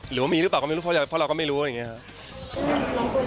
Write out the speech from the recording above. หรือว่ามีหรือเปล่าก็ไม่รู้เพราะเราก็ไม่รู้อะไรอย่างนี้ครับ